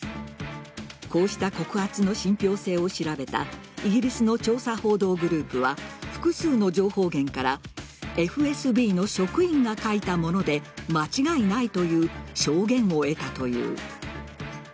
こうした告発の信ぴょう性を調べたイギリスの調査報道グループは複数の情報源からＦＳＢの職員が書いたもので間違いないという証言を得たという。